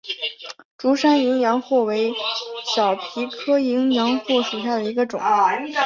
竹山淫羊藿为小檗科淫羊藿属下的一个种。